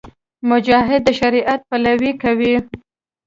مجاهد د شریعت پلوۍ کوي.